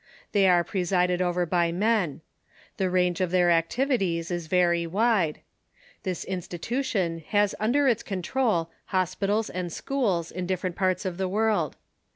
They are presided over by men. The range of their activities is very wide. This insti tution has under its control hospitals and schools in different parts of the world.